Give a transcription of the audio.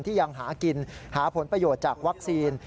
ยังหากินหาผลประโยชน์จากวัคซีน